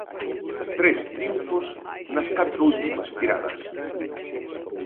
Tres triunfos nas catro últimas tiradas.